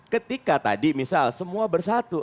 ketika tadi misal semua bersatu